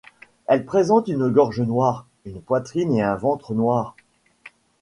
Il présente une gorge noire, une poitrine et un ventre noirs.